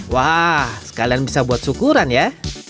wah sekalian bisa buat syukuran ya